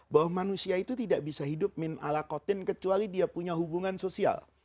bahwa manusia itu tidak bisa hidup min alakotin kecuali dia punya hubungan sosial